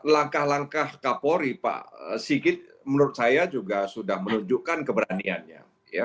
langkah langkah kapolri pak sigit menurut saya juga sudah menunjukkan keberaniannya